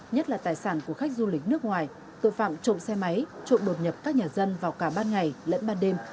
nhất là tài sản của khách du lịch nước ngoài tội phạm trộm xe máy trộn đột nhập các nhà dân vào cả ban ngày lẫn ban đêm